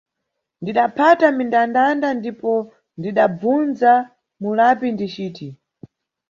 Ndidaphata m, ndandanda ndipo ndidabvunza mulapi ndiciti.